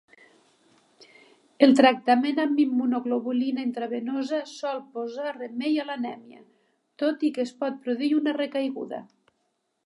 El tractament amb immunoglobulina intravenosa sol posar remei a l'anèmia, tot i que es pot produir una recaiguda.